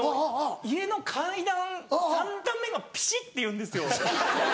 家の階段３段目がピシっていうんですよ。